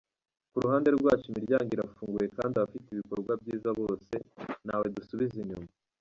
Ku ruhande rwacu, imiryango irafunguye kandi abafite ibikorwa byiza bose ntawe dusubiza inyuma.